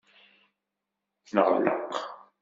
Neɣleq.